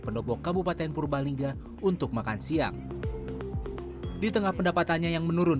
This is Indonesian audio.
pendopo kabupaten purbalingga untuk makan siang di tengah pendapatannya yang menurun